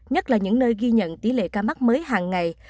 nhất là những nơi ghi nhận tỷ lệ ca mắc mới hàng ngày